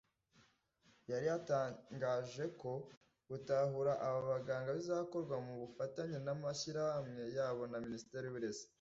yari yatangaje ko gutahura aba baganga bizakorwa ku bufatanye n’amashyirahamwe yabo na Minisiteri y’Uburezi